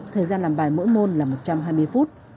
thời gian làm bài mỗi môn là một trăm hai mươi phút